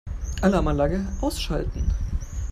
Alarmanlage ausschalten.